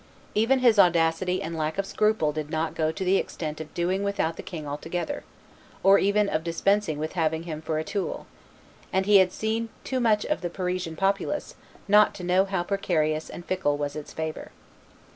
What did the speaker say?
Even his audacity and lack of scruple did not go to the extent of doing without the king altogether, or even of dispensing with having him for a tool; and he had seen too much of the Parisian populace not to know how precarious and fickle was its favor.